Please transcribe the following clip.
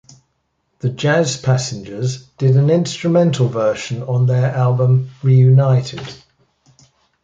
The Jazz Passengers did an instrumental version on their album "Reunited".